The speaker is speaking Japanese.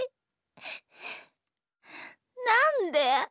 なんで？